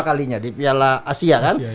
kalinya di piala asia kan